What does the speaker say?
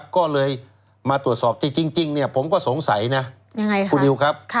ก็เลยมาตรวจสอบที่จริงผมก็สงสัยนะคุณนิวครับ